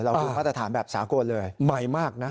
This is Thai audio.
เรารู้พัฒนาฐานแบบสาโกนเลย